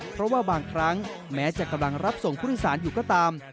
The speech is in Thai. เพราะบางครั้งแม้จะกำลังรับส่งพุทธศาลอยู่ก็ตาม